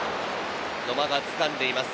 野間がつかんでいます。